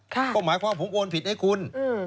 ค่ะก็หมายความว่าผมโอนผิดให้คุณอืม